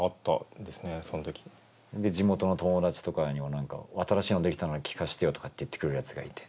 で地元の友達とかにも何か「新しいの出来たんだ聴かせてよ」とかって言ってくるやつがいて。